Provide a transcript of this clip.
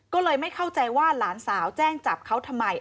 ก็เลยไม่เข้าใจว่าหลานสาวแจ้งจับเขาทำไม